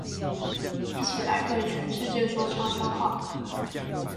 一起來對全世界說悄悄話